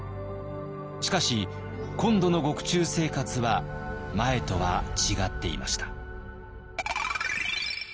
しかし今度の獄中生活は前とは違っていました。